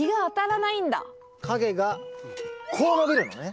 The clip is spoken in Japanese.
影がこう伸びるのね